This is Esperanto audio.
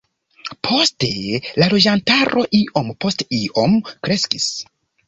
Poste la loĝantaro iom post iom kreskis.